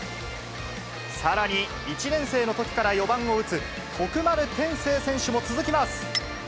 さらに１年生のときから４番を打つ、徳丸天晴選手も続きます。